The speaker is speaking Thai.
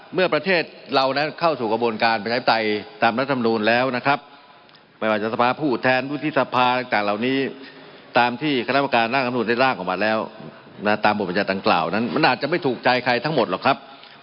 เมื่อประเทศเรานะครองนั้นเข้าถูกกระจงการพฤษิภาษณ์ตามแรกสำรวจแล้วครับ